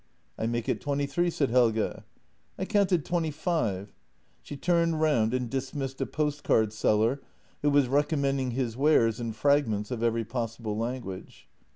" I make it twenty three," said Helge. " I counted twenty five." She turned round and dismissed a post card seller, who was recommending his wares in frag ments of every possible language.